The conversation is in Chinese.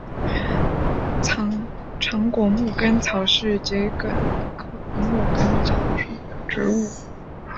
长果牧根草是桔梗科牧根草属的植物。